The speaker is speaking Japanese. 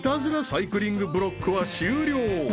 サイクリングブロックは終了］